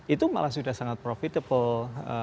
itu malah sudah sangat profitable